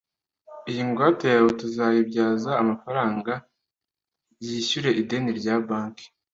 iyi ngwate yawe tuzayibyaza amafaranga yishyure ideni rya banki